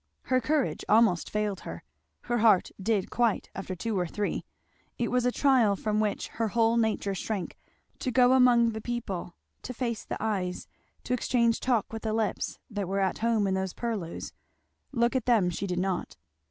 Her courage almost failed her, her heart did quite, after two or three. It was a trial from which her whole nature shrank, to go among the people, to face the eyes, to exchange talk with the lips, that were at home in those purlieus; look at them she did not.